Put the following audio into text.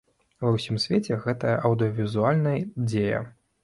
Ва ўсім свеце гэта аўдыёвізуальная дзея.